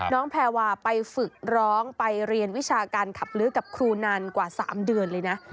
แพรวาไปฝึกร้องไปเรียนวิชาการขับลื้อกับครูนานกว่า๓เดือนเลยนะ